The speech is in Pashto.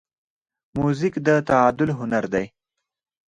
موزیک د تعادل هنر دی.